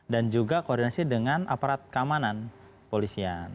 dan juga koordinasi dengan aparat keamanan polisian